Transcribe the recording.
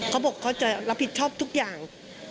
เขาบอกเขาจะรับผิดชอบทุกอย่าง